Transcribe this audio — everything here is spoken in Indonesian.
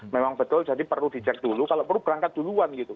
memang betul jadi perlu dicek dulu kalau perlu berangkat duluan gitu